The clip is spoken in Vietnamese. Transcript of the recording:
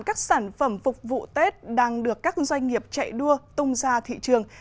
các sản phẩm phục vụ tết đang được các doanh nghiệp chạy đua tung ra thị trường